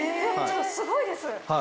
すごいです！